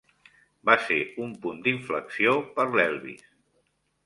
Va ser un punt d'inflexió per l"Elvis.